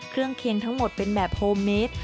เครื่องเคลียงทั้งหมดเป็นแบบโฮมเมตต์